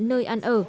nơi ăn ở